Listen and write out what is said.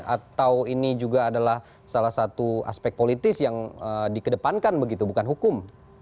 atau ini juga adalah salah satu aspek politis yang dikedepankan begitu bukan hukum